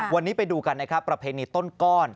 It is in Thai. วันนี้ไปดูกันประเพนีต้นก้อน